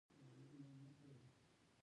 کتابونه او پاڼې پکې ځای پر ځای شوي وي.